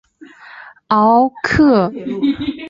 昂格拉尔圣费利人口变化图示